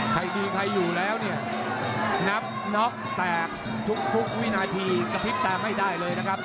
ใครดีใครอยู่แล้วเนี่ยนับน็อกแตกทุกวินาทีกระพริบตาไม่ได้เลยนะครับ